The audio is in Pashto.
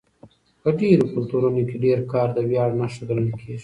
په ډېرو کلتورونو کې ډېر کار د ویاړ نښه ګڼل کېږي.